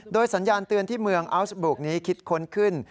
โดยสัญญาณเตือนที่เมืองอัลสบุกนี้คิดค้นขึ้น